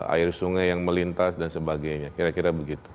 air sungai yang melintas dan sebagainya kira kira begitu